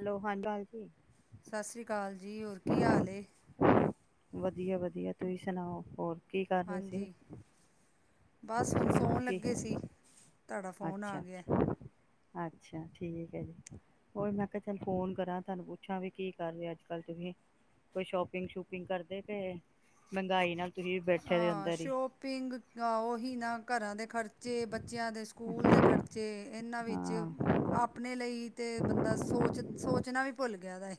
Hello [unintelligible] ਹਾਲ ਜੀ। ਸਤਿ ਸ੍ਰੀ ਅਕਾਲ ਜੀ। ਜੀ ਹੋਰ ਕੀ ਹਾਲ ਏ ਵਧੀਆ ਵਧੀਆ, ਤੁਸੀਂ ਸੁਣਾਓ ਹੋਰ। ਕੀ ਕਰ ਰਹੇ ਸੀ? ਹਾਂਜੀ ਬਸ ਹੁਣ ਸੌਣ ਕੀ, ਲੱਗੇ ਸੀ ਤੁਹਾਡਾ ਫੋਨ ਆ ਅੱਛਾ ਗਿਆ ਅੱਛਾ। ਅੱਛਾ ਠੀਕ ਹੈ ਜੀ, ਹੋਰ ਮੈਂ ਕਿਹਾ ਚੱਲ ਫੋਨ ਕਰਾਂ ਤੁਹਾਨੂੰ, ਪੁੱਛਾਂ ਵੀ ਕੀ ਕਰ ਰੇ ਅੱਜ ਕੱਲ। ਤੁਸੀਂ ਕੋਈ ਸ਼ੋਪਿੰਗ ਸ਼ੂਪਿੰਗ ਕਰਦੇ ਪੇ ਮਹਿੰਗਾਈ ਨਾਲ ਤੁਸੀਂ ਬੈਠੇ ਦੇ ਹਾਂ, ਅੰਦਰ ਹੀ ਸ਼ੋਪਿੰਗ ਉਹੀ ਨਾ ਘਰਾਂ ਦੇ ਖਰਚ ਜੇ ਬੱਚਿਆਂ ਦੇ ਸਕੂਲ ਦੇ ਖਰਚੇ, ਇਹਨਾਂ ਵਿੱਚ ਹਾਂ ਆਪਣੇ ਲਈ ਤੇ ਬੰਦਾ ਸੋਚ ਸੋਚਣਾ ਵੀ ਭੁੱਲ ਗਿਆ ਦਾ ਏ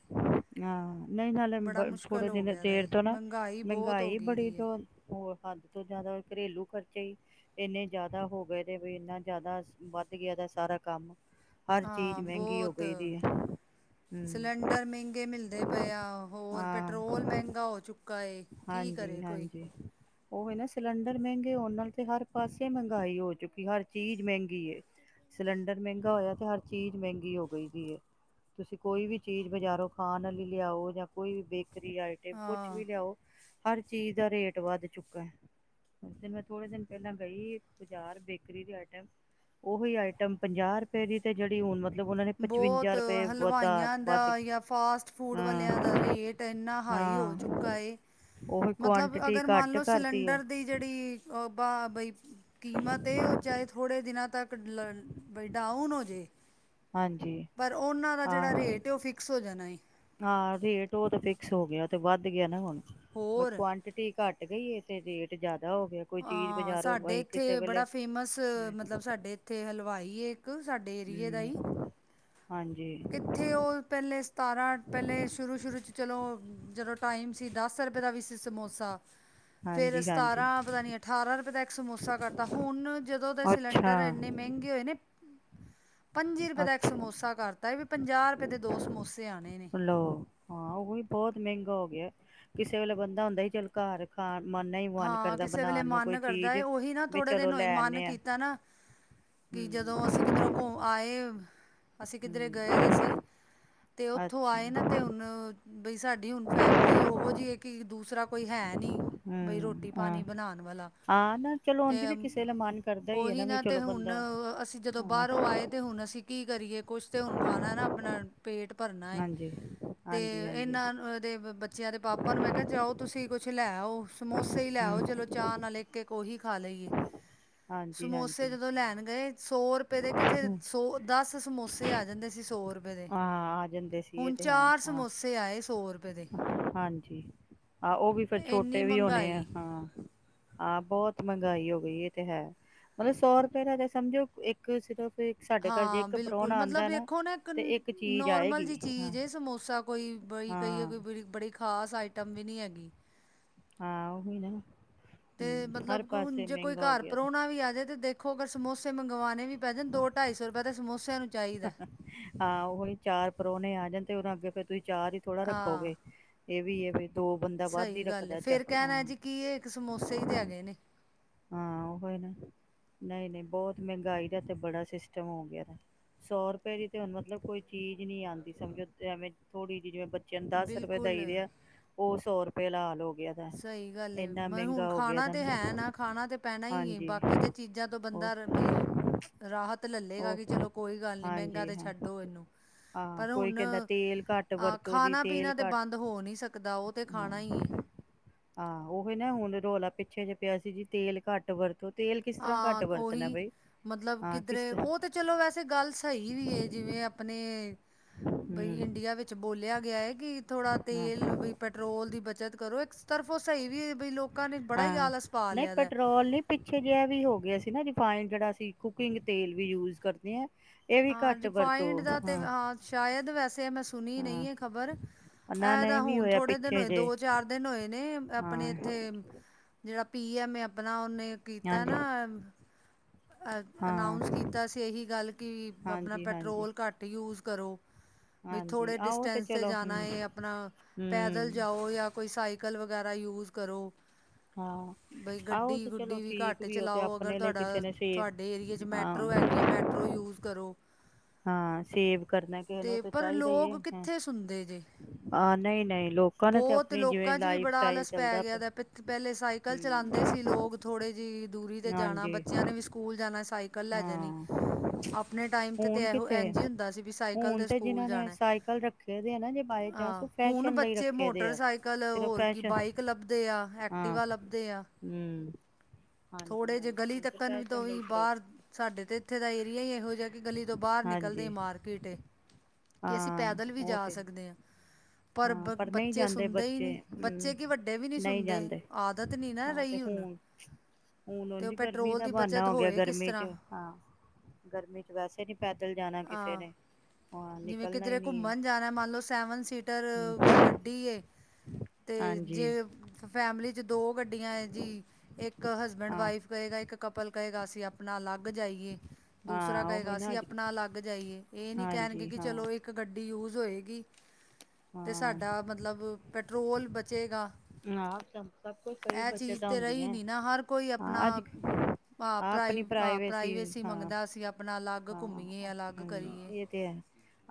ਹਾਂ, ਨਹੀਂ ਨਾਲੇ ਬੜਾ ਬੜ ਮੁਸ਼ਕਿਲ ਥੋੜੇ ਹੋ ਦਿਨ ਗਿਆ ਦਾ ਦੇਰ ਏ ਤੋਂ ਨਾ, ਮਹਿੰਗਾਈ ਬਹੁਤ ਹੋ ਮਹਿੰਗਾਈ ਗਈ ਬੜੀ ਦੀ ਏ ਜੋ ਹੋਰ ਹੱਦ ਤੋਂ ਜ਼ਿਆਦਾ ਘਰੇਲੂ ਖਰਚੇ ਹੀ ਇੰਨੇ ਜ਼ਿਆਦਾ ਹੋ ਗਏ ਨੇ ਵੀ ਇੰਨਾ ਜ਼ਿਆਦਾ ਵੱਧ ਗਿਆ ਇਹਦਾ ਸਾਰਾ ਕੰਮ। ਹਰ ਚੀਜ਼ ਹਾਂ ਮਹਿੰਗੀ ਹੋ ਬਹੁਤ ਗਈ ਦੀ, ਹਮ। ਡਰ ਮਹਿੰਗੇ ਮਿਲਦੇ ਪਏ ਆ, ਹੋਰ ਪੈਟਰੋਲ ਮਹਿੰਗਾ ਹੋ ਚੁੱਕਾ। ਏ ਕੀ ਹਾਂਜੀ ਕਰੇ ਕੋਈ ਹਾਂਜੀ ਉਹ ਵੀ ਨਸ ਸਿਲੰਡਰ ਮਹਿੰਗੇ ਹੋਣ ਨਾਲ ਤੇ ਹਰ ਪਾਸੇ ਮਹਿੰਗਾਈ ਹੋ ਚੁੱਕੀ, ਹਰ ਚੀਜ਼ ਮਹਿੰਗੀ ਹੈ, ਸਿਲੰਡਰ ਮਹਿੰਗਾ ਹੋਇਆ ਤੇ ਹਰ ਚੀਜ਼ ਮਹਿੰਗੀ ਹੋ ਗਈ ਜੇ, ਤੁਸੀਂ ਕੋਈ ਵੀ ਚੀਜ਼ ਬਜ਼ਾਰੋਂ ਖਾਣ ਵਾਲੀ ਲਿਆਓ ਜਾਂ ਕੋਈ ਵੀ ਬੇ ਫ੍ਰੀ ਆਈਟਮ ਕੁਛ ਹਾਂ ਵੀ ਲਿਆਓ। ਹਰ ਚੀਜ਼ ਦਾ ਰੇਟ ਵੱਧ ਚੁੱਕਾ ਹੈ, ਮੈਂ ਥੋੜੇ ਦਿਨ ਪਹਿਲਾਂ ਗਈ ਬਜ਼ਾਰ ਬੇਕਰੀ ਦੀ ਆਈਟਮ, ਉਹੀ ਆਈਟਮ ਪੰਜਾਹ ਰੁਪਏ ਦੀ ਤੇ ਜਿਹੜੀ ਹੁਣ ਮਤਲ। ਬਹੁਤ ਹਲਵਾਈਆਂ ਵੱਧ ਦਾ ਜਾਂ ਫਾਸਟ ਫੂਡ ਵਾਲਿਆਂ ਦਾ ਰੇਟ ਇੰਨਾ ਹਾਈ ਹੋ ਹਾਂ-ਹਾਂ ਚੁੱਕਾ ਏ। ਉਹੀ ਮਤਲਬ ਕੁਆਂਟਿਟੀ ਅਗਰ ਮੰਨ ਘੱਟ ਲਓ ਕਰਤੀ ਆ ਸਿਲੰਡਰ ਦੀ ਜਿਹੜੀ ਓ ਵਾਹ ਬਈ। ਕੀਮਤ ਇਹ ਹੋ ਚਾਹੇ ਥੋੜੇ ਦਿਨਾਂ ਤੱਕ ਵੀ ਡਾਊਨ ਹੋ ਜੀ। ਹਾਂਜੀ ਪਰ ਉਹਨਾਂ ਦਾ ਆਹ ਜਿਹੜਾ ਰੇਟ, ਉਹ ਫਿਕਸ ਹੋ ਜਾਣਾ ਏ। ਹਾਂ ਰੇਟ ਉਹ ਤੇ ਫਿਕਸ ਹੋ ਗਿਆ ਤੇ ਵੱਧ ਗਿਆ ਨਾ ਹੁਣ ਮ ਹੋਰ ਕੁਆਂਟਿਟੀ ਘੱਟ ਗਈਏ ਤੇ ਰੇਟ ਜਿਆਦਾ ਹਾਂ ਸਾਡੇ ਇੱਥੇ ਵੇਲੇ ਬੜਾ ਫੇਮਸ ਹਮ ਮਤਲਬ ਸਾਡੇ ਇੱਥੇ ਹਲਵਾਈ ਏ ਇੱਕ ਸਾਡੇ ਏਰੀਏ ਦਾ ਹੀ ਹਮ ਹਾਂਜੀ ਕਿੱਥੇ ਉਹ ਪਹਿਲੇ ਸਤਾਰਾਂ ਪਹਿਲੇ ਸ਼ੁਰੂ ਸ਼ੁਰੂ ਚ ਚਲੋ ਜਦੋਂ ਟਾਈਮ ਸੀ ਦਸ ਰੁਪਏ ਦਾ ਵੀ ਸੀ ਸਮੋਸਾ ਫੇਿਰ ਹਾਂਜੀ ਹਾਂਜੀ ਸਤਾਰਾਂ ਪਤਾ ਨੀ ਅਠਾਰਾਂ ਰੁਪਏ ਦਾ ਇੱਕ ਸਮੋਸਾ ਕਰਤਾ ਹੁਣ ਜਦੋਂ ਦੇ ਅੱਛਾ ਸਿਲੰਡਰ ਇੰਨੇ ਮਹਿੰਗੇ ਹੋਏ ਨੇ ਪੰਜੀ ਰੁਪਏ ਦਾ ਇੱਕ ਅੱਛਾ ਸਮੋਸਾ ਕਰਤਾ ਵੀ ਪੰਜਾਹ ਰੁਪਏ ਦੇ ਦੋ ਸਮੋਸੇ ਆਣੇ ਨੇ ਲਓ ਹਾਂ ਉਹ ਵੀ ਬਹੁਤ ਮਹਿੰਗਾ ਹੋ ਗਿਆ ਕਿਸੇ ਵੇਲੇ ਬੰਦਾ ਹੁੰਦਾ ਸੀ ਚੱਲ ਘਰ ਖਾਣ ਮਨ ਨਹੀਂ ਮਨ ਹਾਂ ਕਰਦਾ ਕਿਸੇ ਵੇਲੇ ਬਣਾਉਣ ਨੂੰ ਕੋਈ ਮਨ ਕਰਦਾ ਚੀਜ਼ ਹੈ ਉਹੀ ਨਾ ਵੀ ਥੋੜੇ ਚਲੋ ਦਿਨ ਹੋਏ ਲੈ ਮਨ ਆਨੇ ਆ ਕੀਤਾ ਨਾ ਕਿ ਜਦੋਂ ਹਮ ਅਸੀਂ ਕਿਧਰੋਂ ਘ ਆਏ ਅਸੀਂ ਕਿੱਧਰੇ ਹਮ ਗਏ ਦੇ ਸੀ ਤੇ ਉੱਥੋਂ ਆਏ ਨਾ ਅੱਛਾ ਤੇ ਹੁਣ ਬਈ ਸਾਡੀ ਹੁਣ ਫੈਮਿਲੀ ਉਹੋ ਜਿਹੀ ਹੈ ਕਿ ਦੂਸਰਾ ਕੋਈ ਹੈ ਨਹੀਂੀ ਬਈ ਹਮ ਰੋਟੀ ਹਾਂ ਪਾਣੀ ਬਣਾਉਣ ਵਾਲਾ ਹਾਂ ਨਾ ਚਲੋ ਤੇ ਉਂਝ ਵੀ ਕਿਸੇ ਦਾ ਮਨ ਕਰਦਾ ਹੀ ਹੈ ਉਹੀ ਵੀ ਨਾ ਤੇ ਚਲੋ ਹੁਣ ਬੰਦਾ ਅਸੀਂ ਜਦੋਂ ਹਾਂ ਬਾਹਰੋਂ ਆਏ ਤੇ ਹੁਣ ਅਸੀਂ ਕੀ ਕਰੀਏ ਕੁਛ ਤੇ ਹੁਣ ਖਾਣਾ ਨਾ ਆਪਣਾ ਪੇਟ ਭਰਨਾਏ ਹਾਂਜੀ ਤੇ ਹਾਂਜੀ ਹਾਂਜੀ ਇਹਨਾਂ ਦੇ ਬੱਚਿਆਂ ਦੇ ਪਾਪਾ ਨੂੰ ਮੈਂ ਕਿਹਾ ਜਾਓ ਤੁਸੀਂ ਕੁਛ ਲੈਓ ਸਮੋਸੇ ਹੀ ਲੈਓ ਹੂੰ ਚਲੋ ਚਾਹ ਨਾਲ ਇੱਕ ਇੱਕ ਉਹੀ ਖਾ ਹਾਂਜੀ ਸਮੋਸੇ ਹਾਂਜੀ ਜਦੋਂ ਲੈਣ ਗਏ ਸੌ ਰੁਪਏ ਦੇ ਕਿਥੇ ਹੂੰ ਸੌ ਦਸ ਸਮੋਸੇ ਆ ਜਾਂਦੇ ਸੀ ਸੌ ਰੁਪਏ ਦੇ ਹਾਂ ਆ ਜਾਂਦੇ ਸੀ ਇਹ ਹੁਣ ਤੇ ਹੈ ਚਾਰ ਹਾਂ ਸਮੋਸੇ ਆਏ ਸੌ ਰੁਪਏ ਦੇ ਹਾਂਜੀ ਇੰਨੀ ਮੰ ਣੇ ਹਾਂ ਹਾਂ ਬਹੁਤ ਮਹਿੰਗਾਈ ਹੋ ਗਈ ਇਹ ਤੇ ਹੈ ਮਤਲਬ ਸੌ ਰੁਪਏ ਦਾ ਤਾਂ ਸਮਝੋ ਇੱਕ ਕਿ ਸਿਰਫ ਇੱਕ ਸਾਡੇ ਘਰ ਜੇ ਹਾਂ ਇੱਕ ਬਿਲਕੁਲ ਪ੍ਰਾਹੁਣਾ ਮਤਲਬ ਆਉਂਦਾ ਵੇਖੋ ਨਾ ਇੱਕ ਤੇ ਚੀਜ਼ ਨੋਰਮਲ ਆਏਗੀ ਜਿਹੀ ਹਾਂ ਚੀਜ਼ ਸਮੋਸਾ ਕੋਈ ਬੜੀ ਕਹੀਏ ਹਾਂ ਕੋਈ ਬੜੀ ਖਾਸ ਆਈਟਮ ਵੀ ਨਹੀਂ ਹੈਗੀ। ਹਾਂ ਉਹੀ ਨਾ ਤੇ ਹੂੰ ਹਰ ਮਤਲਬ ਕ ਹੁਨ ਪਾਸੇ ਜੇ ਕੋਈ ਮਹਿੰਗਾ ਹੋ ਘਰ ਗਿਆ ਪ੍ਰੋਣਾ ਵੀ ਆਜੇ, ਤੇ ਦੇਖੋ ਅਗਰ ਸਮੋਸੇ ਮੰਗਵਾਣੇ ਵੀ ਪੈ ਜਾਂਣ ਦੋ ਢਾਈ ਸੌ ਰੁਪਏ ਤੇ ਸਮੋਸਿਆਂ ਨੂੰ ਚਾਹੀਦਾ ਹਾਂ ਉਹੀ ਚਾਰ ਪ ਪ੍ਰੋਹਣੇ ਆ ਜਾਣ ਤੇ ਉਨ੍ਹਾਂ ਅੱਗੇ ਫਿਰ ਤੁਸੀਂ ਚਾਰ ਹੀ ਥੋੜਾ ਹਾਂ ਰੱਖੋਗੇ। ਇਹ ਵੀ ਹੈ, ਇਹ ਵੀ ਦੋ ਬੰਦਾ ਵੱਧ ਹੀ ਸਹੀ ਗੱਲ ਹੈ ਰੱਖਦਾ ਚਾ ਫਿਰ ਹ, ਕਹਿਣਾ ਜੀ ਕੀ ਇਹ ਇੱਕ ਸਮੋਸੇ ਹੀ ਤੇ ਹੈਗੇ ਨੇ ਹਾਂ ਨਾ ਨਹੀਂ, ਨਹੀਂ ਬਹੁਤ ਮਹਿੰਗਾਈ ਦਾ ਤਾਂ ਬੜਾ ਸਿਸਟਮ ਹੋ ਗਿਆਦਾ। ਸੌ ਰੁਪਏ ਦੀ ਤੇ ਹੁਣ ਮਤਲਬ ਕੋਈ ਚੀਜ਼ ਨਹੀਂ ਆਉਂਦੀ, ਸਮਜੋ ਐਵੇਂ ਥੋੜ੍ਹੀ ਜਿਹੀ, ਜਿਵੇਂ ਬਚ ਚੇ ਨੂੰ ਦਸ ਰੁਪਏ ਦਈ ਬਿਲਕੁਲ ਦੇ ਆ ਉਹ ਸੌ ਰੁਪਏ ਲਾ ਲਓ। ਸਹੀ ਗੱਲ ਏ ਮ ਹੁਣ ਖਾਣਾ ਤੇ ਹੈ ਨਾ, ਖਾਣਾ ਤੇ ਪੈਣਾ ਹੀ ਹੈ। ਹਾਂਜੀ ਬਾਕੀ ਤਾਂ ਚੀਜ਼ਾਂ ਤੋਂ ਉਹ ਬੰਦਾ ਬ ਰਾਹਤ ਲਲੇ ਚਲੇਗਾ ਉਹ ਕਿ ਚਲੋ, ਕੋਈ ਗੱਲ ਨੀ ਮਹਿੰਗਾ ਹਾਂਜੀ ਤੇ ਹਾਂ ਛੱਡੋ ਇਹਨੂੰ, ਹਾਂ ਪਰ ਕੋਈ ਹੁਣ ਕਹਿੰਦਾ ਤੇਲ ਘੱਟ ਆਹ ਵਰਤੋ ਜੀ ਤੇਲ ਖਾਣਾ-ਪੀਣਾ ਤੇ ਘੱਟ ਬੰਦ ਹੋ ਨੀ ਸਕਦਾ, ਉਹ ਤੇ ਖਾਣਾ ਈਏ। ਆਹ, ਉਹ ਨਾ ਹੁਣ ਰੌਲਾ ਪਿੱਛੇ ਜੇ ਪਿਆ ਸੀ, ਜੀ ਤੇਲ ਘੱਟ ਵਰਤੋ। ਤੇਲ ਕਿਸ ਤਰ੍ਹਾਂ ਘੱਟ ਹਾਂ ਵਰਤਣਾ ਉਹੀ ਬਈ ਮਤਲਬ ਹਾਂ ਕਿਸ ਕਿਧਰੇ ਉਹ ਤੇ ਚਲੋ, ਵੈਸੇ ਗੱਲ ਸਹੀ ਵੀ ਐ, ਜਿਵੇਂ ਆਪਣੇ ਬਈ ਹਮ ਇੰਡੀਆ ਵਿੱਚ ਬੋਲਿਆ ਗਿਆ ਏ ਕਿ ਥੋੜਾ ਹਾਂ ਤੇਲ ਵੀ ਪੈਟਰੋਲ ਦੀ ਬੱਚਤ ਕਰੋ ਇੱਕਸ ਤਰਫੋਂ ਸਹੀ ਵੀ ਐ ਬਈ ਲੋਕਾਂ ਨੇ ਬੜਾ ਹੀ ਹਾਂ ਆਲਸ ਪਾ ਨਹੀਂ ਲਿਆ ਦਾ ਪੈਟਰੋਲ ਨੀ ਪਿੱਛੇ ਜਿਹਾ ਵੀ ਹੋ ਗਿਆ ਸੀ ਨਾ ਰਿਫਾਈੰਡ ਜਿਹੜਾ ਅਸੀਂ ਕੁਕਿੰਗ ਤੇਲ ਵੀ ਯੂਜ ਕਰਦੇ ਆ ਹਾਂ ਰੀਫ਼ਇੰਡ ਦਾ ਹਾਂ ਸ਼ਾਇਦ ਵੈਸੇ ਮੈਂ ਸੂ ਸੁਣੀ ਹਾਂ ਨਹੀਂ। ਖ਼ਬਰ ਨਾ ਇਹ ਨਾ ਇਹ ਤਾਂ ਵੀ ਹੁਣ ਹੋਇਆ ਥੋੜੇ ਦਿਨ ਪਿੱਛੇ ਹੋਏ, ਜੇ ਦੋ- ਚਾਰ ਦਿਨ ਹੋਏ ਨੇ ਆਪਣੇ ਹਾਂ ਇੱਥੇ ਜੇਹੜਾ ਪੀਮਐ ਆਪਣਾ ਓਨੇ। ਕੀਤਾ ਹਾਂਜੀ ਨਾ ਅ, ਅਨਾਊਂਸ ਹਾਂ ਕੀਤਾ ਸੀ। ਇਹੀ ਗੱਲ ਕਿ ਆਪਣਾ ਹਾਂਜੀ ਹਾਂਜੀ ਪੈਟਰੋਲ ਘੱਟ ਯੂਜ ਕਰੋ। ਬਈ, ਹਾਂਜੀ ਥੋੜ੍ਹੇ ਆਹੋ ਡਿਸਟੈਂਸ ਤੇ ਚਲੋ ਜਾਣਾ ਹਮ ਹੈ। ਆਪਣਾ ਪੈਦਲ ਹਮ ਜਾਓ ਜਾਂ ਕੋਈ ਸਾਈਕਲ ਵਗੈਰਾ ਯੂਜ਼ ਕਰੋ। ਹਾਂ, ਬਈ ਆਹੋ। ਗੱਡੀ ਤੇ ਚਲੋ, ਗੁੱਡੀ ਠੀਕ ਘੱਟ ਵੀ। ਉਹ ਤੇ ਚਲਾਓ ਅਗਰ ਆਪਣੇ ਲਈ ਕਿਸੇ ਤੁਹਾਡਾ ਨੇ? ਸੇਫ ਤੁਹਾਡੇ ਏਰੀਏ ਹਾਂ ਮੈਟਰੋ ਹੈਗੀਆਂ ਮੈਟਰੋ ਯੂਜ਼ ਕਰੋ। ਹਾਂ, ਸੇਵ ਕਰਨਾ ਕਿਸੇ ਨੂੰ ਤੇ ਪਰ ਚਾਹੀਦਾ ਹੀ ਲੋਕ ਹੈ। ਕਿੱਥੇ ਸੁਣਦੇ ਜੇ। ਹਾਂ, ਨਹੀਂ ਨਹੀਂ ਲੋਕਾਂ ਨੂੰ ਤੇ ਬਹੁਤ ਆਪਣੀ ਜਿਵੇਂ ਲੋਕਾਂ 'ਚ ਵੀ ਲਾਈਫ ਬੜਾ ਸਟਾਈਲ ਆਲਸ ਪੈ ਚੱਲਦਾ ਗਿਆ ਪਿ ਦਾ ਪਹਿਲੇ ਸਾਈਕਲ ਚਲਾਉਂਦੇ ਸੀ ਲੋਕ ਥੋੜ੍ਹੇ ਹਾਂਜੀ। ਜਾਨਾ ਸਾਈਕਲ ਲੈ ਜਾਣੀ ਹਾਂ ਆਪਣੇ ਟਾਈਮ ਤੇ ਤ ਹੁਣ ਇਹੋ ਕਿੱਥੇ ਇੰਝ ਹੀ ਹੁੰਦਾ ਸੀ ਵੀ ਸਾਈਕਲ ਹੁਣ ਤੇ ਸਕੂਲ ਜਿਨਾਂ ਨੇ ਜਾਨਾ ਸਾਈਕਲ ਰੱਖੇ ਦੇ ਆ ਨਾ ਜੇ ਬਾਏ ਚਾਂਸ ਹਾਂ, ਉਹ ਹੁਣ ਫੈਸ਼ਨ ਲਈ ਬੱਚੇ ਰੱਖੇ ਦੇ ਆ ਮੋਟਰਸਾਈਕਲ ਸਿਰਫ ਹੋਰ ਕੀ ਫੈਸ਼ਨ ਬਾਈਕ ਲੱਭਦੇ ਆ ਹਾਂ ਐਕਟੀਵਾ ਲੱਭਦੇ ਆ ਹਮ ਹਾਂਜੀ ਥੋੜੇ ਜਿਹੇ ਗਲੀ ਹਾਂਜੀ ਤੱਕਣ ਤੋਂ ਫੈਸ਼ਨ ਲਈ ਵੀ ਕਰੋ। ਬਾਹਰ ਸਾਡੇ ਤਾਂ ਇੱਥੇ ਦਾ ਏਰੀਆ ਹੀ ਇਹੋ ਜਿਹਾ ਕਿ ਗਲੀ ਤੋਂ ਬਾਰ ਨਿਕਲਦੇ ਹਾਂਜੀ ਮਾਰਕੀਟ ਏ। ਕਿ ਅਸੀਂ ਹਾਂ ਪੈਦਲ ਵੀ ਉਹ ਜਾ ਤੇ ਸਕਦੇ ਹਾਂ। ਪਰ ਹਾਂ ਬ ਨਹੀਂ ਬੱਚੇ ਜਾਂਦੇ ਸੁਣਦੇ ਹੀ ਬੱਚੇ ਨਹੀਂ, ਹਮ ਬੱਚੇ ਕੀ ਵੱਡੇ ਵੀ ਨਹੀਂ ਸੁਣਦੇ ਆਦਤ ਨੀ ਨਾ ਹਾਂ ਤੇ ਰਹੀ ਹੁਨ, ਹੁਣ ਹੁਣ ਤੇ ਉਹ ਉਂਝ ਗਰਮੀ ਪੈਟਰੋਲ ਦਾ ਦੀ ਬਚ ਬਹਾਨਾ ਗਿਆ ਗਰਮੀ ਚ ਹਾਂ ਗਰਮੀ ਚ ਵੈਸੇ ਨੀ ਪੈਦਲ ਜਾਣਾ ਕਿਸੇ ਹਾਂ ਨੇ। ਹਾਂ ਜਿਵੇਂ ਨਿਕਲਣਾ ਹੀ ਕਿਧਰੇ ਨਹੀਂ ਘੁੰਮਣ ਜਾਣਾ ਮੰਨ ਲੋ ਸੈਵਨ ਸੀਟ ਦਰ ਕੋਈ ਹੈ ਗੱਡੀ ਏ, ਤੇ ਹਾਂਜੀ ਜੇ ਫ ਫੈਮਲੀ ਦੋ ਗੱਡੀਆਂ ਹੈ ਜੀ, ਇੱਕ ਹਸਬੈਂਡ ਹਾਂ ਵਾਈਫ ਗਏਗਾ ਇੱਕ ਕਪਲ ਕਹੇਗਾ ਅਸੀ ਆਪਣਾ ਅਲੱਗ। ਅਲੱਗ ਜਾਈਏ, ਦੂਸਰਾ ਹਾਂ ਕਹੇਗਾ ਉਹੀ ਨਾ ਅਸੀਂ ਅੱਜ ਆਪਣਾ ਅਲੱਗ ਜਾਈਏ ਇਹ ਨੀ ਕਹਿਣਗੇ ਹਾਂਜੀ ਕਿ ਹਾਂ ਚਲੋ ਇੱਕ ਗੱਡੀ ਯੂਜ ਹੋਏਗੀ। ਤੇ ਹਾਂ ਸਾਡਾ ਮਤਲਬ ਪੈਟਰੋਲ ਬਚੇਗਾ ਆਹ ਸਭ ਸਭ ਕੁਛ ਕਈ ਇਹ ਚੀਜ਼ ਬੱਚਤਾਂ ਤੇ ਰਹੀ ਹੁੰਦੀਆਂ ਨੀ ਨਾ। ਹਰ ਕੋਈ ਆਪਣਾ ਹਾਂ ਅੱਜ ਹਾਂ ਆਹ ਪ੍ਰਾਈ ਆਪਣੀ ਪ੍ਰਾਈਵੇਸੀ ਹਾਂ ਮੰਗਦਾ ਅਸੀਂ ਆਪਣਾ ਅਲੱਗ ਹਾਂ ਘੁੰਮੀਏ ਅਲੱਗ ਹਮ ਕਰੀਏ। ਇਹ ਤੇ ਐ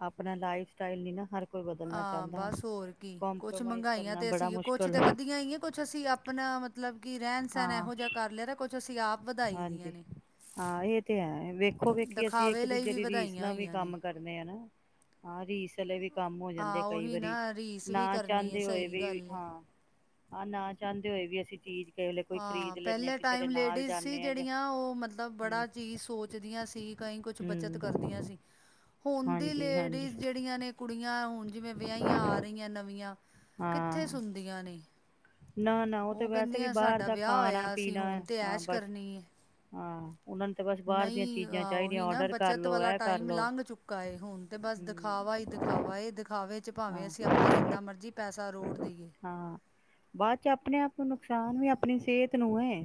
ਆਪਣਾ ਲਾਈਫ ਸਟਾਈਲ ਨਹੀਂ ਨਾ ਹਰ ਕੋਈ ਬਦਲਣਾ ਹਾਂ ਚਾਹੁੰਦਾ ਬਸ ਹੋਰ ਕੀ ਕੁਛ ਕੰਪ੍ਰੋਮਾਈਜ਼ ਮਹਿੰਗਾਈਆਂ ਕਰਨਾ ਤੇ ਬੜਾ ਅਸੀਂ ਕੁਛ ਮੁਸ਼ਕਿਲ ਤੇ ਹੈ। ਵਧੀਆ ਕੁੱਛ ਅਸੀਂ ਆਪਣਾ ਮਤਲਬ ਕਿ ਰਹਿਣ ਸਹਿਣ ਹਾਂ ਇਹੋ ਜਿਹਾ ਕਰ ਲਿਆ ਤਾਂ ਕੁੱਛ ਅਸੀ ਹਾਂਜੀ, ਹਾਂ ਇਹ ਤੇ ਹੈ ਵੇਖੋ ਵੇਖੀ ਅਸੀਂ ਦਿਖਾਵੇ ਇੱਕ ਲਈ ਦੂਜੇ ਵੀ ਦੀ ਰੀਸ ਵਧਾਈਆਂ ਨਾ ਵੀ ਹੋਈਆਂ ਨੇ ਕੰਮ ਕਰਨੇ ਆ ਨਾ ਹਾਂ ਰੀਸ ਚਲ ਏਵੀ। ਕੰਮ ਹੋ ਜਾਂਦੇ ਹਾਂ ਕਈ ਉਹੀ ਵਾਰੀ, ਨਾ ਰੀਸ ਵੀ ਨਾ ਕਰਨੀ ਹੈ ਚਾਹੁੰਦੇ ਹੋਏ ਸਹੀ ਵੀ ਗੱਲ ਹੈ ਹਾਂ। ਆਂ ਨਾ ਚਾਹੁੰਦੇ ਹੋਏ ਵੀ ਅਸੀਂ ਚੀਜ਼ ਕਿਸੇ ਵੇਲੇ ਕੋਈ ਹਾਂ ਖਰੀਦ ਲੈਂਦੇ ਹਾਂ ਪਹਿਲੇ ਕਿਸੇ ਦੇ ਟਾਈਮ ਨਾਲ ਲੇਡੀਜ਼ ਸੀ ਜਾਂਦੇ ਹਾਂ ਜਾਂ ਜੇੜੀਆਂ ਉਹ ਮਤਲਬ ਹੂੰ ਬੜਾ ਚੀਜ਼ ਸੋਚਦੀਆਂ ਸੀ, ਕਈ ਕੁਛ ਬੱਚਤ ਹੂੰ ਕਰਦੀਆਂ ਸੀ। ਹੁਣ ਦੀ ਹਾਂਜੀ ਹਾਂਜੀ ਲੇਡੀਜ਼ ਜਿੜੀਆਂ ਨੇ ਕੁ ਕੁੜੀਆਂ ਹੁਣ ਜਿਵੇਂ ਵਿਆਹੀਆਂ ਆ ਰਹੀਆਂ ਨਵੀਆਂ ਕਿੱਥੇ ਹਾਂ ਸੁਣਦੀਆਂ ਨੇ ਨਾ- ਨਾ ਉਹ ਤੇ ਵੈਸੇ ਵੀ ਬਾਹਰ ਸਾਡਾ ਦਾ ਵਿਆਹ ਖਾਣਾ ਹੋਇਆ ਅਸੀਂ ਪੀਣਾ ਹੁਣ ਤੇ ਹਾਂ ਐਸ਼ ਬਸ ਕਰਨੀ। ਹਾਂ ਉਹਨਾਂ ਨੂੰ ਤੇ ਬਸ ਬਾਹਰ ਦੀਆਂ ਨਹੀਂ, ਚੀਜ਼ਾਂ ਚਾਹੀਦੀਆਂ ਉਹੀ ਨਾ ਔਡਰ ਕਰ ਬਚਤ ਲੋ ਵਾਲਾ ਇਹ ਕਰ ਟਾਈਮ ਲੋ ਲੰਘ ਚੁੱਕਾ ਹੁਣ ਤੇ ਬਸ ਹੂੰ ਦਿਖਾਵਾ ਹੀ ਦਿਖਾਵਾ ਇਹ ਦਿਖਾਵੇ। ਚ ਹਾਂ ਭਾਵੇਂ ਅਸੀਂ ਆਪਣਾ ਜਿੰਨਾ ਮਰਜ਼ੀ ਪੈਸਾ ਰੋੜ ਦੇਈਏ। ਹਾਂ ਬਾਅਦ ਚ ਆਪਣੇ ਆਪ ਨੁਕਸਾਨ ਵੀ ਆਪਣੀ ਸਿਹਤ ਨੂੰ ਹੈ।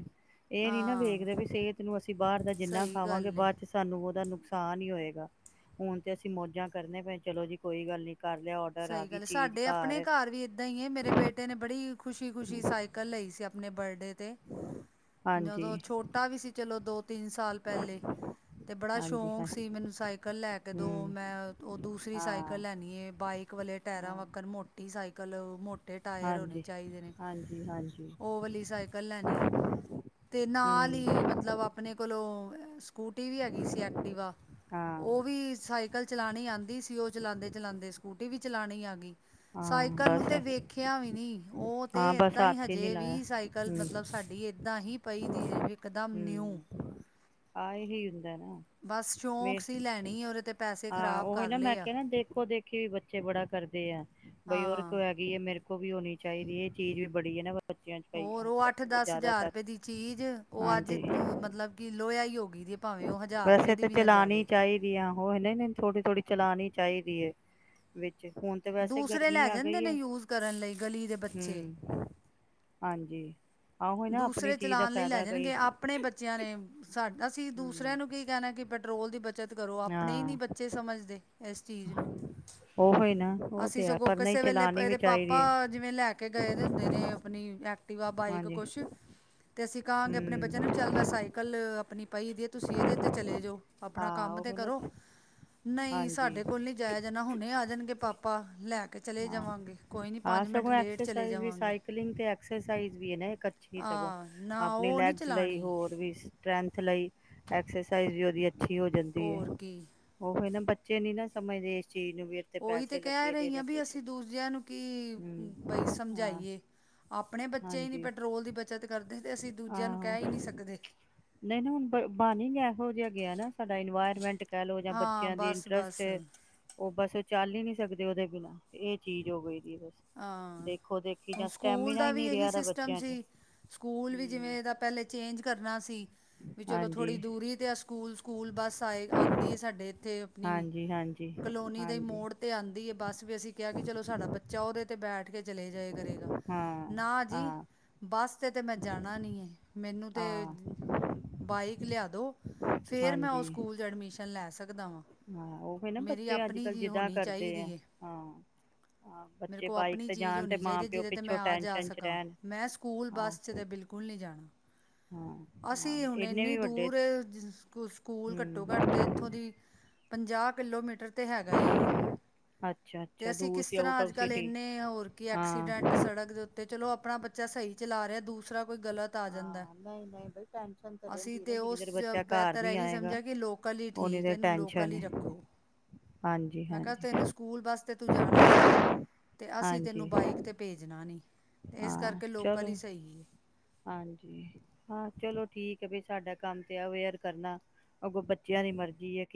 ਇਹ ਨੀ ਨਾ ਹਾਂ ਵੇਖਦੇ ਵੀ ਸਿਹਤ ਨੂੰ ਅਸੀਂ ਬਾਹਰ ਦਾ ਜਿੰਨਾ ਸਹੀ ਖਾਵਾਂਗੇ ਗੱਲ ਏ ਬਾਅਦ ਚ ਸਾਨੂੰ ਉਹਦਾ ਨੁਕਸਾਨ ਹੀ ਹੋਏਗਾ। ਹੁਣ ਤੇ ਅਸੀਂ ਮੌਜਾਂ ਕਰਦੇੇ ਭ ਚਲੋ ਜੀ ਕੋਈ ਗੱਲ ਨੀ ਕਰ ਲਿਆ। ਔਡਰ ਆ ਸਹੀ ਗਈ ਗੱਲ ਚੀਜ਼ ਸਾਡੇ ਆਪਣੇ ਘਰ ਵੀ ਏਦਾਂ ਹੀ ਹੈ ਮੇਰੇ ਬੇਟੇ ਨੇ ਬੜੀ ਖੁਸ਼ੀ- ਖੁਸ਼ੀ ਸਾਈਕਲ ਲਈ ਸੀ। ਆਪਣੇ ਬਰਡੇ ਤੇ, ਜਦੋਂ ਹਾਂਜੀ ਛੋਟਾ ਵੀ ਸੀ ਚਲੋ ਦੋ ਤਿੰਨ ਸਾਲ ਪਹਿਲੇ, ਤੇ ਬੜਾ ਹਾਂਜੀ ਸ਼ੌਂਕ ਹਾਂ ਸੀ ਮੈਨੂੰ ਸਾਈਕਲ ਲੈ ਕੇ ਦੋ ਹਮ ਮੈਂ ਉਹ ਦੂਸਰੀ ਸਾਈਕਲ ਹਾਂ ਲੈਣੀ ਬਾਈਕ ਵਾਲੇ ਟਾਇਰਾਂ ਹਾਂ ਵਾੱਕਰ ਮੋਟੀ ਸਾਈਕਲ ਕਲ ਮੋਟੇ ਟਾਇਰ ਹੋਣੇ ਹਾਂਜੀ ਚਾਹੀਦੇ ਨੇ, ਹਾਂਜੀ ਹਾਂਜੀ ਉਹਓ ਵਾਲੀ ਸਾਈਕਲ ਲੈਣੀ ਤੇ ਨਾਲ ਹਮ ਹੀ ਮਤਲਬ ਆਪਣੇ ਕੋਲੋਂ ਸਕੂਟੀ ਵੀ ਹੈਗੀ ਸੀ ਐਕਟੀਿਵਾ ਹਾਂ ਉਹ ਵੀ ਸਾਈਕ ਲ ਚਲਾਉਣੀ ਆਉਂਦੀ ਸੀ ਉਹ ਚਲਾਉਦੇ- ਚਲਾਉਂਦੇ ਸਕੂਟੀ ਵੀ ਚਲਾਉਣੀ ਆ ਗਈ। ਹਾਂ ਸਾਈਕਲ ਨੂੰ ਬਸ ਤੇ ਵੇਖਿਆ ਵੀ ਨੀ ਉਹ ਉਹ ਤੇ ਹਾਂ ਬਸ ਏਦਾਂ ਹੀ ਹੱਥ ਨੀ ਹਜੇ ਲਾਇਆ ਵੀ ਸਾਈਕਲ ਹਮ ਮਤਲਬ ਸਾਡੀ ਏਦਾਂ ਹੀ ਪਈ ਦੀ ਹੈ। ਇਕਦਮ ਨਿਊ। ਹਮ ਆਹ ਇਹ ਸੀ। ਉਹੀ ਹੈਨਾ ਬਸ ਸ਼ੌਂਕ ਹਾਂ, ਸੀ ਲੈਣੀ ਉਹਦੇ ਤੇ ਪੈਸੇ ਖ਼ਰਾਬ ਕਰ ਨਾ ਮੈਂ ਲਏ ਆ ਕਿਹਾ ਨਾ ਦੇਖੋ ਦੇਖੀ ਵੀ ਬੱਚੇ ਬੜਾ ਕਰਦੇ ਆ ਬਈ ਉਹਰ ਹਾਂ ਕੋ ਹੈਗੀਈ ਹੈ ਮੇਰੇ ਵੀ ਹੋਣੀ ਚਾਹੀਦੀ ਹੈ ਇਹ ਚੀਜ਼ ਵੀ ਬੜੀ ਹੈ ਨਾ ਬੱਚਿਆਂ ਚ ਕਈ ਹੋਰ ਉਹ ਅੱਠ -ਦਸ ਹਜ਼ਾਰ ਜ਼ਿਆਦਾਤਰ ਰੁਪਏ ਦੀ ਚੀਜ਼ ਉਹ ਅੱਜ ਹਾਂਜੀ ਮਤਲਬ ਕਿ ਲੋਇਿਆ ਹੀ, ਹੋ ਗਈ ਦੀ ਹੈ, ਭਾਵੇਂ ਉਹ ਹਜ਼ਾਰ ਰੁਪਏ ਵੈਸੇ ਦੀ ਤਾਂ ਵੀ ਨਾ ਚਲਾਣੀ ਜਾਵੇ ਚਾਹੀਦੀ ਆ ਉਹ ਥੋੜੀ ਥੋੜੀ ਚਲਾਉਣੀ ਚਾਹੀਦੀ ਹੈ ਵਿੱਚ ਹੁਣ ਤੇ ਵੈਸੇ ਦੂਸਰੇ ਗਰਮੀ ਲੈ ਆ ਜਾਂਦੇ ਗਈ ਨੇ ਹੈ ਯੂਸ ਕਰਨ ਲਈ ਗਲੀ ਦੇ ਬੱਚੇ ਹਮ ਹਾਂਜੀ ਆਹੋ ਨਾ ਆਪਣੀ ਦੂਸਰੇ ਚੀਜ਼ ਦਾ ਚਲਾਉਣ ਲਈ ਲੈ ਫਾਇਦਾ ਕਈ ਜਾਣਗੇ ਆਪਣੇ ਬੱਚਿਆਂ ਨੇ ਸਾਡੇ ਅਸੀਂ ਹਮ ਦੂਸਰਿਆਂ ਨੂੰ ਕੀ ਕਹਿਣਾ ਕਿ ਵੱਡਾ ਟੋਲ ਦੀ ਬੱਚਤ ਕਰੋ ਆਪਣੇ ਹੀ ਨੀ ਹਾਂ ਬੱਚੇ ਸਮਝਦੇ ਇਸ ਚੀਜ਼ ਨੂੰ ਉਹੀ ਨਾ ਉਹ ਅਸੀਂ ਤੇ ਹੈ ਸਗੋਂ ਪਰ ਨਹੀਂ ਕਿਸੇ ਵੇਲੇ ਚਲਾਉਣੀ ਵੀ ਇਹਦੇ ਚਾਹੀਦੀ ਪਾਪਾ ਹੈ ਜਿਵੇਂ ਲੈ ਕੇ ਗਏ ਦੇ ਹੁੰਦੇ ਨੇ ਆਪਣੀ ਐਕਟੀਿਵਾ ਬਾਈਕ ਹਾਂਜੀ ਤੇ ਕਾਂਗੇ ਆਪਣੇ ਬੱਚਿਆਂ ਨੂੰ ਵੀ ਹਮ ਚੱਲਦਾ ਸਾਈਕਲ ਆਪਣੀ ਭਾਈ ਇਹਦੀ ਤੁਸੀਂ ਇਹਦੇ ਤੇ ਚਲੇ ਜਾਓ ਆਪਣਾ ਹਾਂ ਕੰਮ ਤੇ ਉਹ ਨਾ ਕਰੋ ਨਹੀਂ ਹਾਂਜੀ ਸਾਡੇ ਕੋਲ ਨਹੀਂੀ ਜਾਇਆ ਜਾਣਾ ਹੁਣੇ ਆ ਜਾਣਗੇ ਪਾਪਾ ਆਪਾਂ ਲੈਕ ਹਾਂਗੋਂਕਸ ਚਲੇ ਸਕਲ ਜਾਵਾਂਗੇ ਤੇਸ ਵੀ ਕੱਚ ਹੀ ਸਗੋ ਆ ਨਾ ਆਪਣੀ ਉਹ ਨਹੀਂ ਲੈਗਜ਼ ਲਈ ਚਲਾਣੀ ਹੋਰ ਵੀ ਸਟਰੈਂਥ ਲਈ ਐਕਸਰਸਾਈਜ਼ ਅੱਛੀ ਹੋ ਜਾਂਦੀ ਹੈ ਹੋਰ ਕੀ ਉਹ ਨਾ ਬ ਚੇ ਨ ਨਾ ਸਮੇ ਦੇੇ ਚੀਜ਼ ਨੂੰ ਵੀ ਇੱਥੇ ਉਹੀ ਤੇ ਪੈਸੇ ਕਹਿ ਲੱਗੇ ਨੇ ਰਹੀ ਆ ਜਾਂ ਵੀ ਕੁਝ ਅਸੀਂ ਦੂਜਿਆਂ ਨੂੰ ਕੀ ਬਈ ਹਾਂ ਸਮਝਾਈਏ ਆਪਣੇ ਬੱਚੇ ਹੀ ਨਹੀਂ ਹਾਂਜੀ ਪੈਟਰੋਲ ਦੀ ਬੱਚਤ ਕਰਦੇ ਤੇ ਅਸੀਂ ਦੂਜਿਆਂ ਨੂੰ ਆਾਂ ਕਹਿ ਹੀ ਨਹੀਂ ਸਕਦੇ ਨਹੀਂ ਨਾ ਹੁਣ ਬਾਣੀ ਇਹੋ ਜਿਹੇ ਹੈਗੇ ਆ ਨਾ ਸਾਡਾ ਇਨਵਾਇਰਮੈਂਟ ਕਹਿ ਲੋੋ ਜਾਂ ਹਾਂ ਬੱਚਿਆਂ ਦੇ ਬਸ ਇੰਟਰਸਟ ਬਸ ਉਹ ਬ ਸੋ ਚਾਲ ਹੀ ਨੀ ਸਕਦੇ ਉਹਦੇ ਬਿਨਾਂ ਇਹ ਚੀਜ਼ ਹੋ ਗਈ ਦੀ ਬਸ ਹਾਂ ਦੇਖੋ ਦੇਖੀ ਹੁਣ ਜਾਂ ਸਕੂਲ ਸਟੈਮੀਨਾ ਦਾ ਹੀ ਵੀ ਨਹੀਂ ਇਹੀ ਰਿਹਾ ਦਾ ਸਿਸਟਮ ਬੱਚਿਆਂ ਚ ਸੀ ਸਕੂਲ ਵੀ ਹੂੰ ਜਿਵੇਂ ਇਹ ਦਾ ਪਹਿਲੇ ਚੇਂਜ ਕਰਨਾ ਸੀ ਵੀ ਚਲੋ ਹਾਂਜੀ ਥੋੜ੍ਹੀ ਦੂਰੀ ਤੇ ਆ ਸਕੂਲ ਸਕੂਲ ਬੱਸ ਆਏ ਆਉਂਦੀ ਹੈ ਸਾਡੇੇ ੱਥੇ ਆਪਣੀ ਹਾਂਜੀ ਹਾਂਜੀ ਕਲੋਨੀ ਦੇ ਹਾਂਜੀ ਮੋੜ ਤੇ ਆਉਂਦੀ ਹੈ ਬਸ ਵੀ ਅਸੀਂ ਕਿਹਾ ਕਿ ਚਲੋ ਸਾਡਾ ਬੱਚਾ ਉਹਦੇ ਤੇ ਬੈਠ ਕੇ ਚਲੇ ਜਾਏ ਕਰੇਗਾ ਹਾਂ ਨਾ ਜੀ ਹਾਂ ਬਸ ਤੇ ਤੇ ਮੈਂ ਜਾਣਾ ਨੀ ਹੈ ਮੈਨੂੰ ਤਾਂ ਹਾਂ ਬਾਈਕ ਲਿਆ ਦਿਉ ਫੇਿਰ ਮੈਂ ਉਸ ਹਾਂਜੀ ਸਕੂਲ ' ਐਡਮਿਸ਼ਨ ਲੈ ਸਕ ਹਾਂ ਉਹ ਵੀ ਨਾ ਬੱਚੇ ਅੱਜ ਕੱਲ ਜੀ ਜਿੱਦਾਾਂ ਹੋਣੀ ਕਰਦੇ ਆ ਚਾਹੀਦੀ ਹੈ ਹਾਂ ਮੇਰੇ ਬੱਚੇ ਕੋਲ ਬਾਈਕ ਆਪਣੀ ਤੇ ਚੀਜ਼ ਜਾਣ ਤੇ ਹੋਣੀ ਮਾਂ ਚਾਹੀਦੀ ਪਿਓ ਜਿਹਦੇ 'ਤੇ ਮੈਂ ਪਿੱਛੋਂ ਆ ਜਾ ਟੈਨਸ਼ਨ ਚ ਸਕਾਂ ਰਹਿਣ ਮੈਂ ਸਕੂਲ ਹਾਂ ਬੱਸ 'ਚ ਤਾਂ ਬਿਲਕੁਲ ਨਹੀਂ ਹਾਂ ਜਾਣਾ ਹਾਂ ਅਸੀਂ ਹੁਣ ਇੰਨੇ ਇੰਨੀ ਵੀ ਵੱਡੇ ਦੂਰ ਸਕ ਸਕੂਲ ਘੱਟੋ ਹੂੰ ਘੱਟ ਤਾਂ ਇੱਥੋਂ ਦੀ ਪੰਜਾਹ ਕਿਲੋਮੀਟਰ ਤੇ ਹੈਗਾ ਹੀ ਅੱਛਾ ਤੇ ਅੱਛਾ ਅਸੀਂ ਦੂਰ ਕਿਸ ਸੀ ਤਰ੍ਹਾਂ ਆਊਟ ਅੱਜ ਆਫ ਅੱਜ ਕੱਲ ਸਿਟੀ ਇੰਨੇ ਹੋਰ ਕੀ ਹਾਂ ਐਕਸੀਡੈਂਟ ਸੜਕ ਦੇ ਉੱਤੇ ਚਲੋ ਆਪਣਾ ਬੱਚਾ ਸਹੀ ਚਲਾ ਰਿਹਾ ਦੂਸਰਾ ਕੋਈ ਗਲਤ ਆ ਜਾਂਦਾ ਹਾਂ ਨਹੀਂ ਨਹੀਂ ਬਈ ਟੈਨਸ਼ਨ ਅਸੀਂ ਰਹਿੰਦੀ ਨਾ ਤਾਂ ਜਿੰਨੀ ਉਸ ਦੇਰ ਚਚ ਬੱਚਾ ਘਰ ਬਿਹਤਰ ਨੀ ਇਹੀ ਆਏਗਾ ਸਮਝਿਆ ਕਿ ਲੋਕਲ ਹੀ ਉਨੀ ਠੀਕ ਦੇਰ ਇਹਨੂੰ ਲੋਕਲ ਟੈਨਸ਼ਨ ਹੀ ਹੈ ਰੱਖੋ ਹਾਂਜੀ ਮੈਂ ਕਿਹਾ ਹਾਂਜੀ ਤੈਨੂੰ ਸਕੂਲ ਬੱਸ ' ਤੂੰ ਜਾਣਾ ਨਹੀਂ ਤੇ ਅਸੀਂ ਤੈਨੂੰ ਹਾਂਜੀ ਬਾਈਕ ਤੇ ਭੇਜਣਾ ਨੀ ਹਾਂ ਚਲੋ ਹਾਂਜੀ ਹਾਂ ਚਲੋ ਠੀਕ ਹੈ ਵੀ ਸਾਡਾ ਕੰਮ ਤੇ ਅਵੇਅਰ ਕਰਨਾ ਅੱਗੋਂ ਬੱਚਿਆਂ ਦੀ ਮਰਜ਼ੀ ਹੈ